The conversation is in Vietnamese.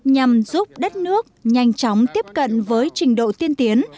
nhằm giúp đất nước nhanh chóng tiếp cận với trình độ tiên tiến